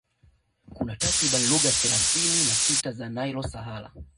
Kuna takriban lugha thelathini na sita za Nilo Sahara